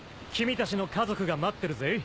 君たちの家族が待ってるぜ。